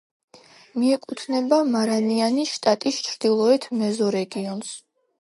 მიეკუთვნება მარანიანის შტატის ჩრდილოეთ მეზორეგიონს.